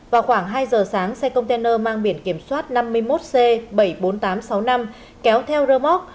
vào khoảng hai giờ sáng xe container mang biển kiểm soát năm mươi một c bảy mươi bốn nghìn tám trăm sáu mươi năm kéo theo rơ móc